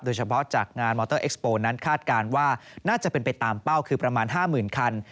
โดยเฉพาะจากงานมอเตอร์เอ็กสโปร์นั้นคาดการณ์ว่าน่าจะเป็นไปตามเป้าคือประมาณห้าหมื่นคัน